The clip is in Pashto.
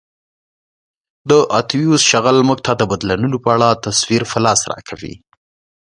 د اتیوس شغل موږ ته د بدلونونو په اړه تصویر په لاس راکوي